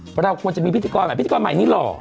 เพราะเราควรจะมีพิธีกรใหม่พิธีกรใหม่นี้หล่อ